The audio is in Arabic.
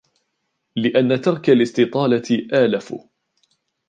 لِأَنَّ تَرْكَ الِاسْتِطَالَةِ آلَفُ